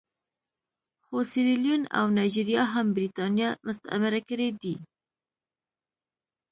خو سیریلیون او نایجیریا هم برېټانیا مستعمره کړي دي.